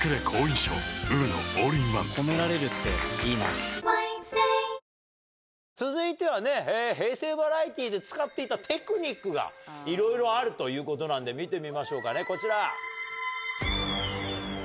あんま、続いてはね、平成バラエティーで使っていたテクニックがいろいろあるということなんで見てみましょうかね、こちら。